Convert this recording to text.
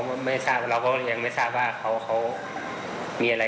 เราก็ยังไม่ทราบว่าเขามีอะไร